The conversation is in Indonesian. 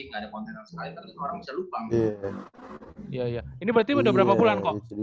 gak ada konten sama sekali